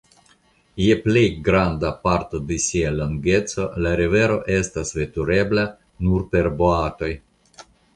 Je plej granda parto de sia longeco la rivero estas veturebla nur per boatoj.